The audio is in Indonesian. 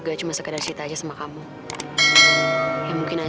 terima kasih telah melakukan